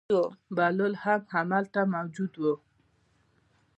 بهلول هم هلته موجود و.